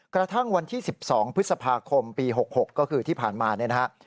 กระทั่งวันที่๑๒พฤษภาคมปี๖๖ก็คือที่ผ่านมาเนี่ยนะฮะ